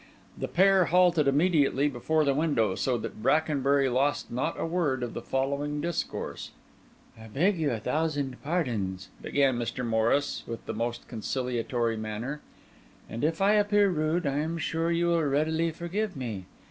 The pair halted immediately before the window, so that Brackenbury lost not a word of the following discourse:— "I beg you a thousand pardons!" began Mr. Morris, with the most conciliatory manner; "and, if I appear rude, I am sure you will readily forgive me.